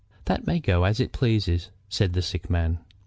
"That may go as it pleases," said the sick man.